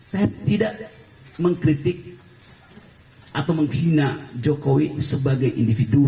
saya tidak mengkritik atau menghina jokowi sebagai individu